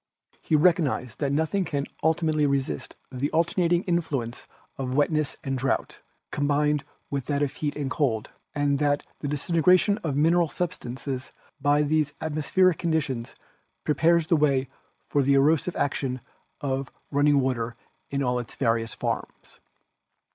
He recognised that nothing can ulti mately resist the alternating influence of wetness and drought, combined with that of heat and cold, and that the disintegration of mineral substances by these atmospheric conditions prepares the way for the erosive action of run ning water in all its various forms.